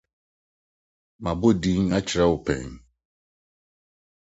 Mabɔ din akyerɛ wo pɛn.